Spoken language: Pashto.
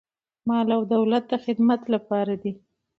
مال او دولت د خدمت لپاره دی.